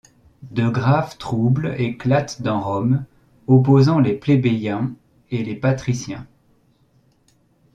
De graves troubles éclatent dans Rome, opposant les plébéiens et les patriciens.